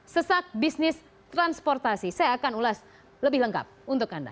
sesak bisnis transportasi saya akan ulas lebih lengkap untuk anda